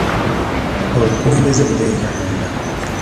Obukulembeze buva eri Katonda.